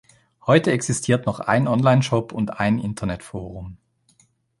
Heute existiert noch ein Online-Shop und ein Internetforum.